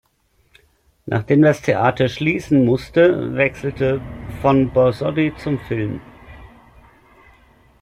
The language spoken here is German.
Nachdem das Theater schließen musste, wechselte von Borsody zum Film.